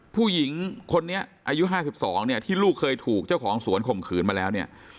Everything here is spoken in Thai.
ผู้หญิงคนนี้อายุ๕๒เนี่ยที่ลูกเคยถูกเจ้าของสวนข่มขืนมาแล้วเนี่ย